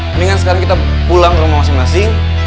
mendingan sekarang kita pulang ke rumah masing masing